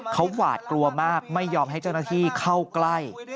เขาหวาดกลัวมากไม่ยอมให้เจ้าหน้าที่เข้าใกล้